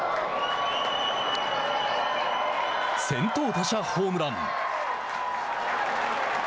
先頭打者ホームラン。